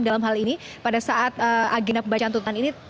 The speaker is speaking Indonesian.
dalam hal ini pada saat agenda pembacaan tuntutan ini